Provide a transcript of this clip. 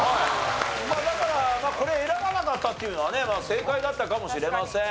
まあだからこれ選ばなかったっていうのはねまあ正解だったかもしれません。